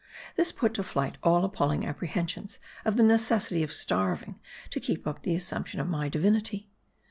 This put to flight all appalling apprehensions of the necessity of starving to keep up the assumption of my divinity.